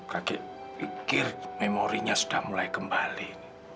kakek pikir memorinya sudah mulai kembali